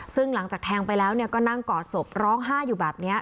ซึ่งหลังจากแทงไปแล้วก็นั่งกอดศพร้องไห้อยู่แบบนี้